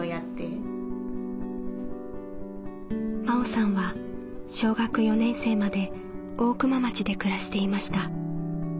真緒さんは小学４年生まで大熊町で暮らしていました。